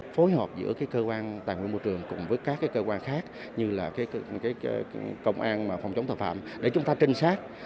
phối hợp giữa cơ quan tài nguyên môi trường cùng với các cơ quan khác như là công an phòng chống tội phạm để chúng ta trinh sát